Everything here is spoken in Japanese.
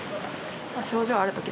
症状ある時だけ。